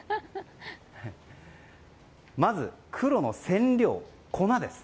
まず黒の染料、粉です。